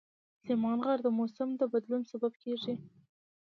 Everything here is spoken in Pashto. سلیمان غر د موسم د بدلون سبب کېږي.